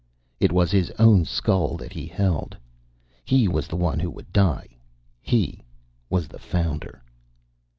It was his own skull that he held. He was the one who would die. He was the Founder.